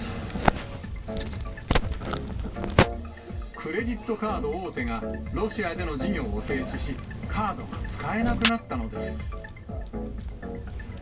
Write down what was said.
クレジットカード大手がロシアでの事業を停止し、カードが使えなくなったのです。